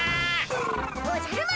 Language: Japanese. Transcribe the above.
おじゃる丸